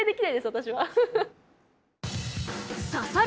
私は。